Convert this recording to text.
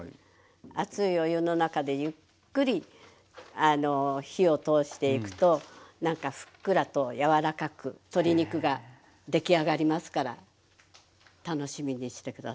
熱いお湯の中でゆっくり火を通していくと何かふっくらと柔らかく鶏肉が出来上がりますから楽しみにして下さい。